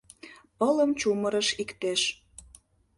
Пылым чумырыш иктеш